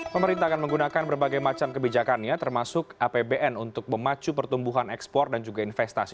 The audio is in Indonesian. pemerintah akan menggunakan berbagai macam kebijakannya termasuk apbn untuk memacu pertumbuhan ekspor dan juga investasi